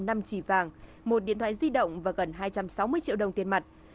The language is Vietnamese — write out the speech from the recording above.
năm chỉ vàng một điện thoại di động và gần hai trăm sáu mươi triệu đồng tiền mặt